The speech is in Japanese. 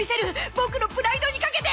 ボクのプライドにかけて！